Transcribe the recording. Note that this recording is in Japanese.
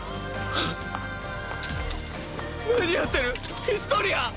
何やってるヒストリア⁉